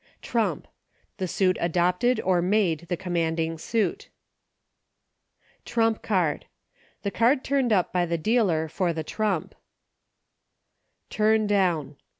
TECHNICALITIES. 87 Tkump. The suit adopted, or made, the commanding suit. Trump Card. The card turned up by the dealer for the trump. Turn Down.